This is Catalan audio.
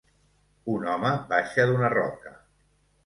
Un home baixa d'una roca.